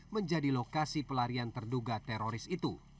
menjadi lokasi pelarian terduga teroris itu